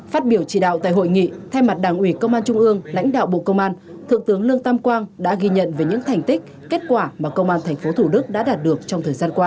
phát biểu chỉ đạo tại hội nghị thay mặt đảng ủy công an trung ương lãnh đạo bộ công an thượng tướng lương tam quang đã ghi nhận về những thành tích kết quả mà công an tp thủ đức đã đạt được trong thời gian qua